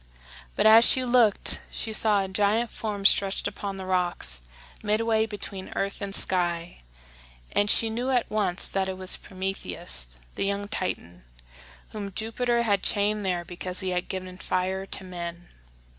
But as she looked she saw a giant form stretched upon the rocks midway between earth and sky, and she knew at once that it was Prometheus, the young Titan, whom Jupiter had chained there because he had given fire to men.